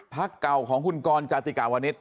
พักเก่าของคุณกรจาติกาวนิต